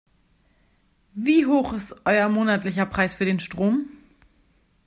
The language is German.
Wie hoch ist euer monatlicher Preis für den Strom?